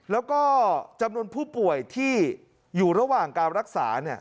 แล้วก็จำนวนผู้ป่วยที่อยู่ระหว่างการรักษา